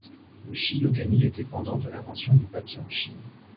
Le chiyogami est dépendant de l'invention du papier en Chine.